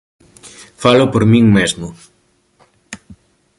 Falo por min mesmo.